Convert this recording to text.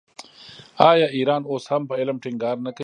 آیا ایران اوس هم په علم ټینګار نه کوي؟